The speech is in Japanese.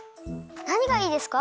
なにがいいですか？